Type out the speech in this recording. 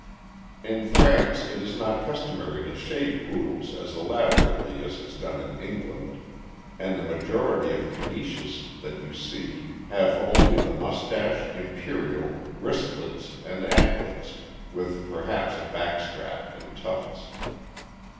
In France it is not customary to shave Poodles as elab orately as is done in England, and the majority of Caniches that you see have only the mustache, imperial, wristlets, and anklets, with perhaps a back strap and tufts.